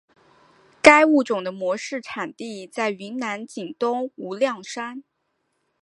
该物种的模式产地在云南景东无量山。